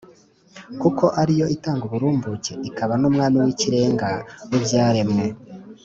kuko ari yo itanga uburumbuke ikaba n’umwami w’ikirenga w’ibyaremwe